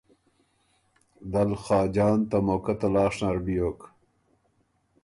دل خاجان ته موقع تلاش نر بیوک۔